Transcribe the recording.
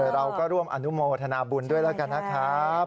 เราก็ร่วมอนุโมทนาบุญด้วยแล้วกันนะครับ